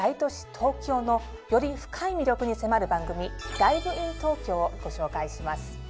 東京のより深い魅力に迫る番組「ＤｉｖｅｉｎＴｏｋｙｏ」をご紹介します。